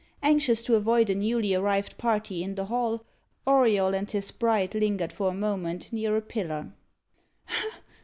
Anxious to avoid a newly arrived party in the hall, Auriol and his bride lingered for a moment near a pillar.